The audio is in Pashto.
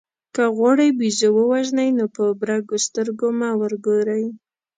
که غواړئ بېزو ووژنئ نو په برګو سترګو مه ورګورئ.